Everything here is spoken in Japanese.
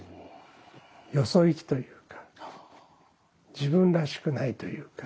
よそ行きというか自分らしくないというか。